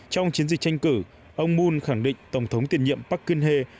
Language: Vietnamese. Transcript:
trong chiến dịch tranh cử ông moon khẳng định tổng thống tiền nhiệm park geun hye